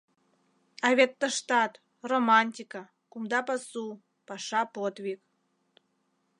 А вет тыштат — романтика, кумда пасу, паша подвиг...